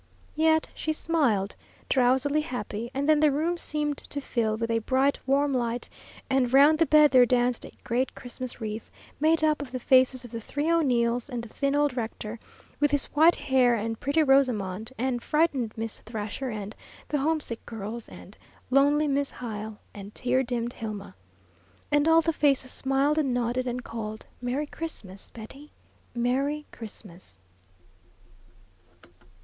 Yet she smiled, drowsily happy, and then the room seemed to fill with a bright, warm light, and round the bed there danced a great Christmas wreath, made up of the faces of the three O'Neills, and the thin old rector, with his white hair, and pretty Rosamond, and frightened Miss Thrasher and the homesick girls, and lonely Miss Hyle, and tear dimmed Hilma. And all the faces smiled and nodded, and called, "Merry Christmas, Betty, Merry Christmas!"